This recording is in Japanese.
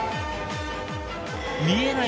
見えない！